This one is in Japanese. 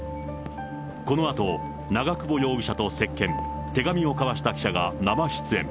このあと、長久保容疑者と接見、手紙を交わした記者が生出演。